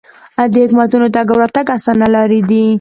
د حکومتونو تګ او راتګ اسانه لارې دي.